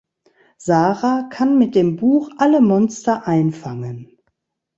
Sarah kann mit dem Buch alle Monster einfangen.